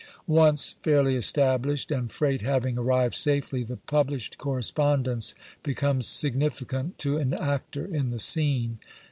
Once fairly established, and freight having arrived safely, the pub lished correspondence becomes significant to an actor in the scene.